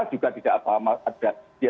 juga tidak apa apa